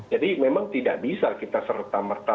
jadi memang tidak bisa kita serta merta